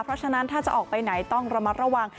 เพราะฉะนั้นถ้าจะออกไปไหนต้องระมัดระวัง